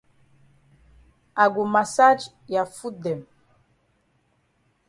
I go massage ya foot dem.